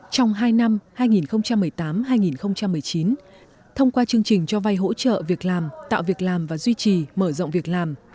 trong hai năm hai nghìn một mươi tám hai nghìn một mươi chín thông qua chương trình cho vay hỗ trợ việc làm tạo việc làm và duy trì mở rộng việc làm